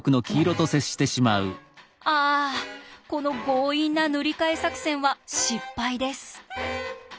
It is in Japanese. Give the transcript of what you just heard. あこの強引な塗り替え作戦は失敗です。